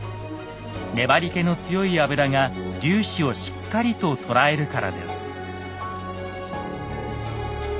粘りけの強い油が粒子をしっかりと捉えるからです。